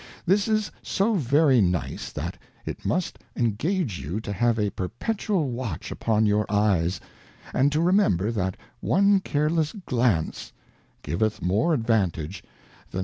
This is so very nice, that it must engage you to have a perpetual Watch upon your Eyes, and to remember, that one careless Glance giveth more advantage than 30 Advice to a Daughter.